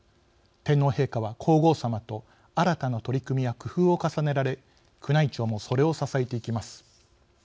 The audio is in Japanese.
天皇陛下は皇后さまと新たな取り組みや工夫を重ねられ宮内庁もそれを支えていきます。